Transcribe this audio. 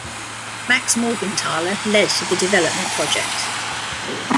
Max Morgenthaler led the development project.